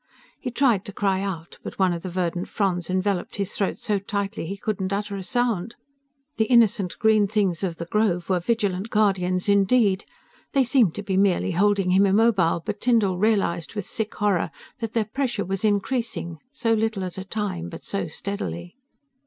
He tried to cry out but one of the verdant fronds enveloped his throat so tightly he could not utter a sound. The innocent green things of the Grove were vigilant guardians indeed. They seemed to be merely holding him immobile, but Tyndall realized with sick horror that their pressure was increasing, so little at a time, but so steadily.